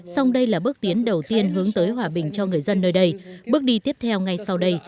song đây là bước tiến đầu tiên hướng tới hòa bình cho người dân nơi đây bước đi tiếp theo ngay sau đây